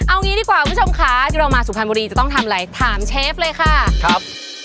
เอางี้ดีกว่าคุณผู้ชมค่ะเรามาสุพรรณบุรีจะต้องทำอะไรถามเชฟเลยค่ะครับ